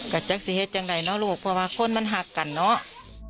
กระจักษีเหตุอย่างไรเนาะลูกเพราะว่าคนมันหากกันเนาะ